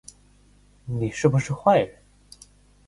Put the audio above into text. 你是不是坏人